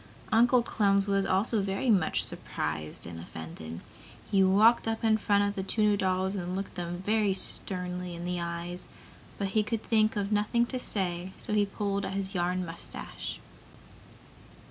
Uncle Clem was also very much surprised and offended. He walked up in front of the two new dolls and looked them sternly in the eyes, but he could think of nothing to say so he pulled at his yarn mustache.